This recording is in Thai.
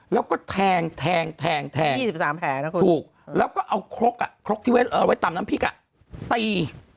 แล้วก็แทงแทง๒๓แผลนะคุณถูกแล้วก็เอาครกครกที่เอาไว้ตำน้ำพริกตี